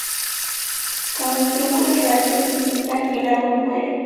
Cuando el tronco y las raíces se infectan el árbol muere.